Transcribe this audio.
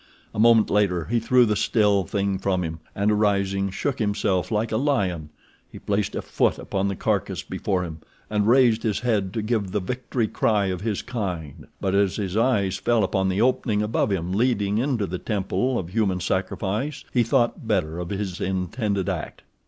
A moment later he threw the still thing from him, and, arising, shook himself like a lion. He placed a foot upon the carcass before him, and raised his head to give the victory cry of his kind, but as his eyes fell upon the opening above him leading into the temple of human sacrifice he thought better of his intended act.